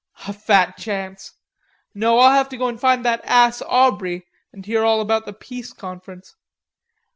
"A fat chance! No, I'll have to go and find that ass Aubrey, and hear all about the Peace Conference....